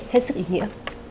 hết sức ý nghĩa